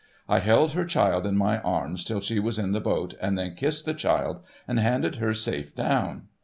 I held her child in my arms till she was in the boat, and then kissed the child and handed her safe down.